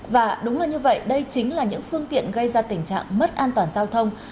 và đúng là như vậy đây chính là những phương tiện gây ra tình trạng mất an toàn giao thông